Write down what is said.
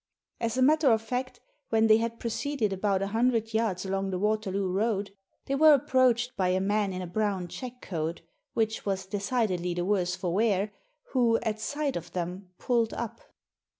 As a matter of fact, when they had proceeded about a hundred yards along the Waterloo Road they were approached by a man in a brown check coat, which was decidedly the worse for wear, who, at sight of them, pulled up.